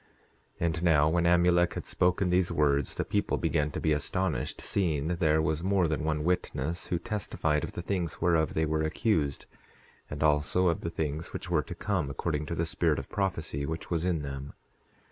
10:12 And now, when Amulek had spoken these words the people began to be astonished, seeing there was more than one witness who testified of the things whereof they were accused, and also of the things which were to come, according to the spirit of prophecy which was in them.